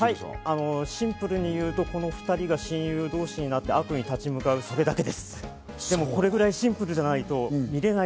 シンプルに言うと、この２人が親友になって悪に立ち向かうというシンプルな映画です。